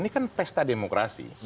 ini kan pesta demokrasi